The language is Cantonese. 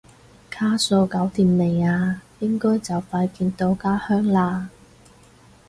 卡數搞掂未啊？應該就快見到家鄉啦？